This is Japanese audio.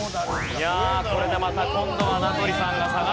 いやあこれでまた今度は名取さんが下がる。